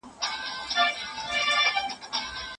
نوم مي دي پر هره مرغلره درلیکلی دی